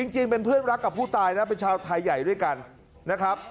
จริงเป็นเพื่อนรักกับผู้ตายนะเป็นชาวไทยใหญ่ด้วยกันนะครับ